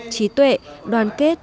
trí tuệ đoàn kết